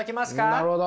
なるほど。